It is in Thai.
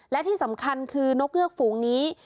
และที่สำคัญคือนกเงือกฝูงนี้